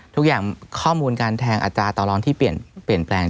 ทุกอย่างข้อมูลการแทงอัตราตารองที่เปลี่ยนแปลง